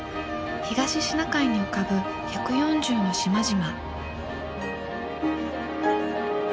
東シナ海に浮かぶ１４０の島々。